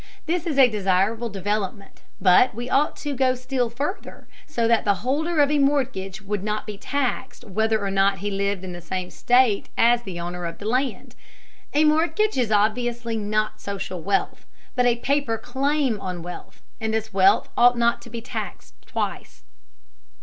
This is a desirable development, but we ought to go still further, so that the holder of a mortgage would not be taxed whether or not he lived in the same state as the owner of the land. A mortgage is obviously not social wealth, but a paper claim on wealth, and this wealth ought not to be taxed twice.